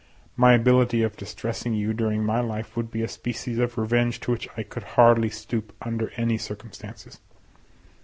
My ability of distressing you during my life would be a species of revenge to which I could hardly stoop under any circumstances.